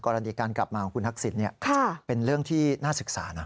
กรณีการกลับมาของคุณทักษิณเป็นเรื่องที่น่าศึกษานะ